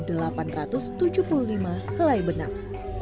di situ ada dua puluh lima helai benang